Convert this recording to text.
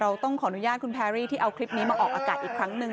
เราต้องขออนุญาตคุณแพรรี่ที่เอาคลิปนี้มาออกอากาศอีกครั้งหนึ่ง